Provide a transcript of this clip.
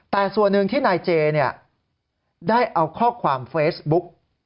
แต่ส่วนหนึ่งที่นายเจได้เอาข้อความเฟซบุ๊ก